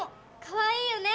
かわいいよね！